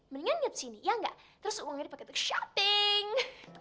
mendingan nyet sini ya nggak terus uangnya dipake untuk shopping